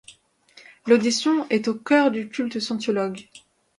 L'audition est au cœur du culte scientologue.